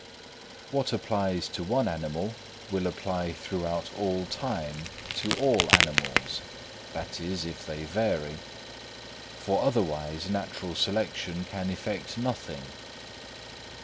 What applies to one animal will apply throughout all time to all animals—that is, if they vary—for otherwise natural selection can effect nothing.